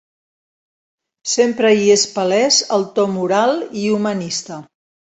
Sempre hi és palès el to moral i humanista.